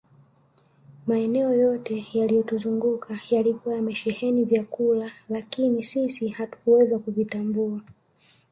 Maeneo yote yaliyotuzunguka yalikuwa yamesheheni vyakula lakini sisi hatukuweza kuvitambua